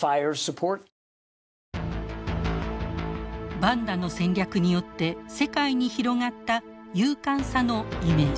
バンダの戦略によって世界に広がった勇敢さのイメージ。